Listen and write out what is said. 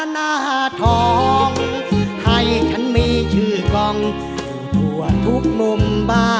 น้ำอีกหน่อยนะครับ